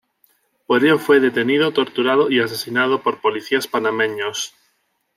Por ello fue detenido, torturado y asesinado por policías panameños.